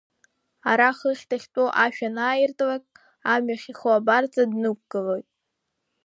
Ара хыхь дахьтәоу ашә анааиртлак, амҩахь ихоу абарҵа днықәгылоит.